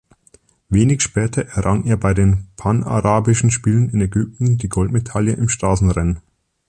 Wenig später errang er bei den Panarabischen Spielen in Ägypten die Goldmedaille im Straßenrennen.